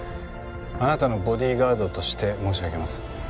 あなたのボディーガードとして申し上げます。